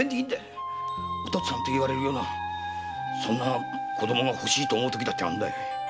「お父っつぁん」て言われるようなそんな子供が欲しいと思うときもあるんだ。